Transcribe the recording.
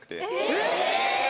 えっ！